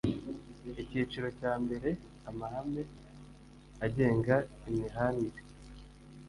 Icyiciro cya mbere Amahame agenga imihanire